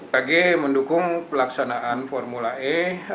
kg mendukung pelaksanaan formula e